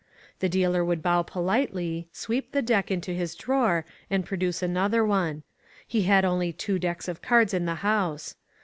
The dealer would bow politely, sweep the deck into his drawer and pro duce another one. He had only two decks of cards in the house.